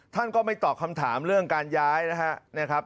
ท่านก็ไม่ตอบคำถามเรื่องการย้ายนะครับ